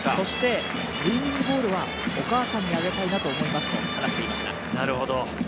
ウイニングボールはお母さんにあげたいなと思いますと話していました。